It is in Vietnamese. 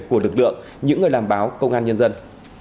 của lực lượng những người làm báo công an nhân dân